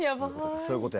そういうことやな。